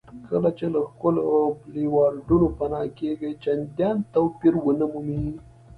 کله چې له ښکلو بولیوارډونو پناه کېږئ چندان توپیر ونه مومئ.